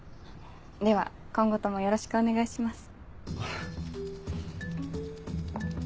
では今後ともよろしくお願いします。